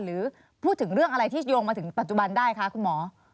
หรือพูดถึงเรื่องอะไรที่โยงมาถึงปัจจุบันได้คะคุณหมอ